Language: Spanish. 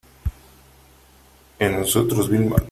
en nosotros , Vilma .